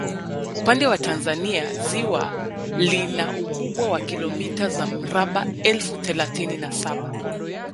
Upande wa Tanzania ziwa lina ukubwa wa kilomita za mraba elfu thelathini na saba